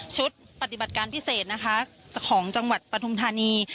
ชุดปฏิบัติการพิเศษนะคะของจังหวัดปฐุมธานี